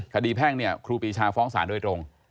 แพ่งเนี่ยครูปีชาฟ้องสารโดยตรง